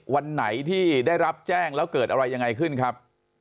วันไหนที่ได้รับแจ้งแล้วเกิดอะไรยังไงขึ้นครับ